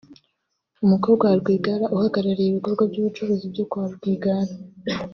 umukobwa wa Rwigara uhagarariye ibikorwa by’ubucuruzi bwo kwa Rwigara